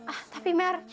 ah tapi mer